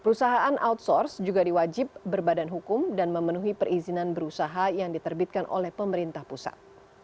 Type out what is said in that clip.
perusahaan outsource juga diwajib berbadan hukum dan memenuhi perizinan berusaha yang diterbitkan oleh pemerintah pusat